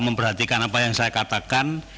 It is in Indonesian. memperhatikan apa yang saya katakan